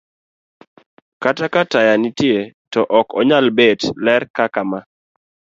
Kata ka taya nitie to ok nyal bet ler kaka ma